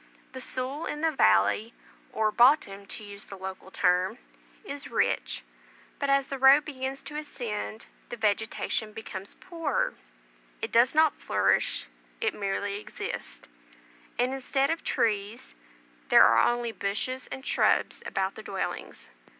The soil in the valley (or "bottom," to use the local term) is rich; but, as the road begins to ascend, the vegetation becomes poorer; it does not flourish, it merely exists; and, instead of trees, there are only bushes and shrubs about the dwellings.